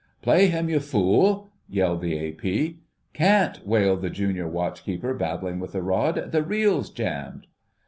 "Play him, you fool!" yelled the A.P. "Can't," wailed the Junior Watch keeper, battling with the rod. "The reel's jammed!"